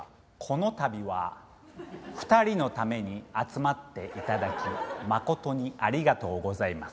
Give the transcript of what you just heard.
「この度は２人のために集まって頂き誠にありがとうございます」。